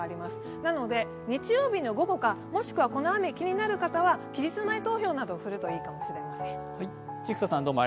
なので日曜日の午後か、もしくはこの雨、気になる方は期日前投票などをするといいかもしれません。